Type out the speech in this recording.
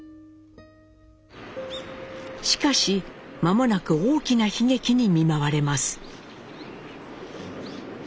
しかし間もなく大きな悲劇に見舞われます。